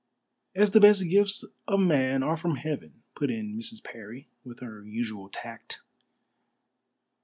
"As the best gifts of man are from heaven," put in Mrs. Parry, with her usual tact.